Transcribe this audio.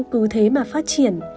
cứ thế mà phát triển